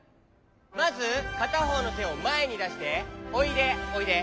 まずかたほうのてをまえにだして「おいでおいで」。